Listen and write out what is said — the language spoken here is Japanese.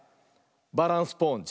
「バランスポーンジ」。